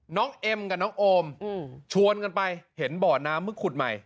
เอ็มกับน้องโอมชวนกันไปเห็นบ่อน้ำเมื่อขุดใหม่